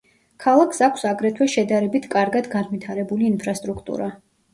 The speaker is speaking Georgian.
ქალაქს აქვს აგრეთვე შედარებით კარგად განვითარებული ინფრასტრუქტურა.